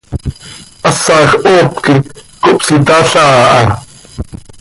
Hasaj hoop quih cohpsitalhaa aha.